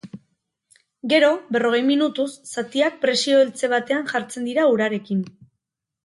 Gero, berrogei minutuz, zatiak presio-eltze batean jartzen dira urarekin.